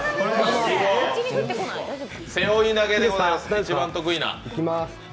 背負い投げでございます、一番得意な。